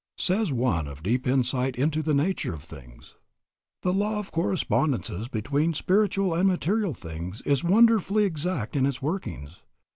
Says one of deep insight into the nature of things: "The law of correspondences between spiritual and material things is wonderfully exact in its workings.